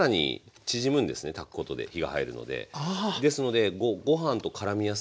ですのでご飯とからみやすいと。